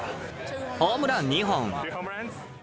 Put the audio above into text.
ホームラン２本。